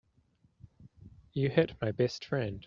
You hit my best friend.